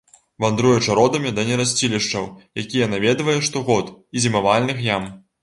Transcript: Вандруе чародамі да нерасцілішчаў, якія наведвае штогод, і зімавальных ям.